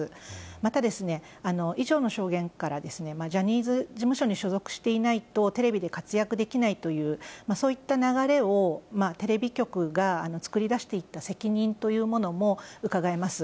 また、以上の証言から、ジャニーズ事務所に所属していないと、テレビで活躍できないという、そういった流れをテレビ局が作り出していった責任というものもうかがえます。